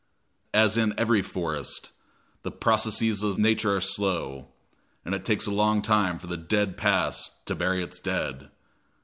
As in every forest, the processes of nature are slow it takes a long time for the dead past to bury its dead.